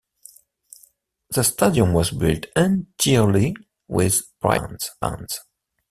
The stadium was built entirely with private funds.